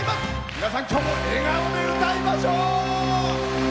皆さん、きょうも笑顔で歌いましょう！